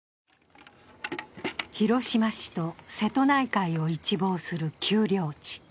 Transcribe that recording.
広島市と瀬戸内海を一望する丘陵地。